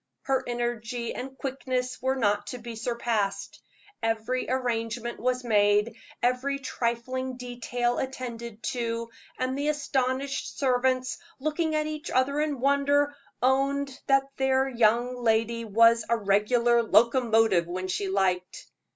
Her energy and quickness were not to be surpassed. Every arrangement was made, every trifling detail attended to, and the astonished servants, looking at each other in wonder, owned that their young lady was a "regular locomotive" when she liked.